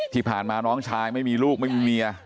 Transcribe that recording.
ที่ผ่านมาน้องชายไม่มีลูกไม่มีเมีย